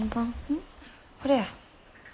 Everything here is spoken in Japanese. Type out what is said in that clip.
これや。